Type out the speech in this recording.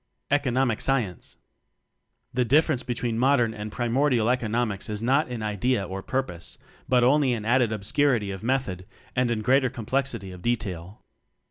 . Economic Science? The difference between modern and primordial economics is not in idea or purpose, but only in added obscurity of method and in greater complexity of detail.